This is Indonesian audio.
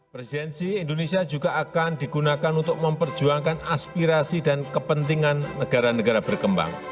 presidensi indonesia juga akan digunakan untuk memperjuangkan aspirasi dan kepentingan negara negara berkembang